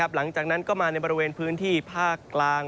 หลังจากนั้นก็มาในบริเวณพื้นที่ภาคกลาง